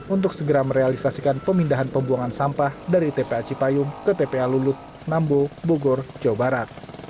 untuk segera merealisasikan pemindahan pembuangan sampah dari tpa cipayung ke tpa lulut nambo bogor jawa barat